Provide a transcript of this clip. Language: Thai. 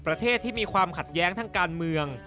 ประเทศที่มีความขัดแย้งทางการเมือง